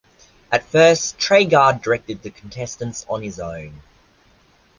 At first, Treguard directed the contestants on his own.